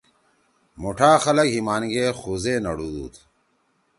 مُوٹھا خلگ ہیِمان گے خوزے نڑُودُو۔